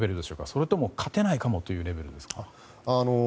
それとも勝てないかもというレベルですか？